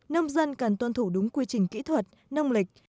nông dân cần tuân thủ đúng quy trình kỹ thuật nông lịch